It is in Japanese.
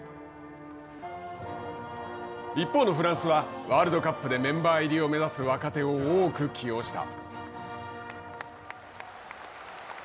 一方のフランスはワールドカップでメンバー入りを目指す若手を多く起用した。